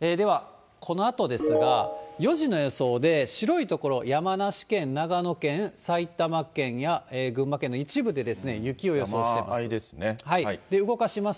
では、このあとですが、４時の予想で白い所、山梨県、長野県、埼玉県や群馬県の一部で雪を予想してます。